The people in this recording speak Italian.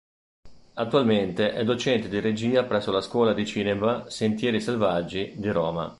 Attualmente è docente di Regia presso la Scuola di Cinema "Sentieri Selvaggi" di Roma.